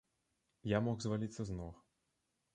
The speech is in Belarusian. Я мог зваліцца з ног.